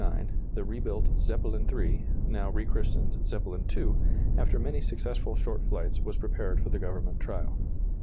] In May, 1909, the rebuilt "Zeppelin III," now rechristened "Zeppelin II," after many successful short flights was prepared for the Government trial.